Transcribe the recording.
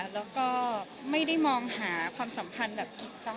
แล้วก็ไม่ได้มองหาความสัมพันธ์แบบถูกต้อง